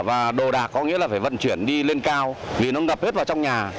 và đồ đạc có nghĩa là phải vận chuyển đi lên cao vì nó đập hết vào trong nhà